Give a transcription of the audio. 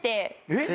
えっ？